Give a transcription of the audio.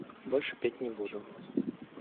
Больше петь не буду.